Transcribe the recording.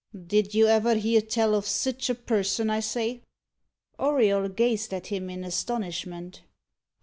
Did you ever hear tell of such a person, I say?" Auriol gazed at him in astonishment.